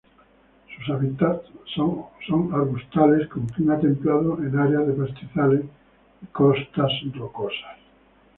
Sus hábitats son arbustales con clima templado en áreas de pastizales y costas rocosas.